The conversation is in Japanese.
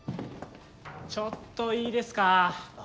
ちょっといいですか？